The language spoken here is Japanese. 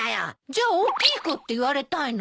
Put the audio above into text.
じゃあ大きい子って言われたいの？